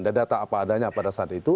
dan data apa adanya pada saat itu